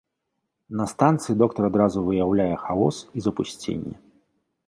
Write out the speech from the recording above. На станцыі доктар адразу выяўляе хаос і запусценне.